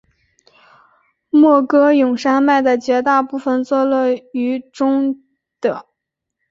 莫戈永山脉的绝大部分坐落于中的。